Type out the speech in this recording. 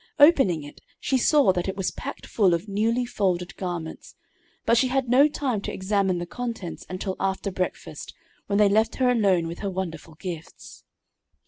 Opening it, she saw that it was packed full of newly folded garments, but she had no time to examine the contents until after breakfast, when they left her alone with her wonderful gifts.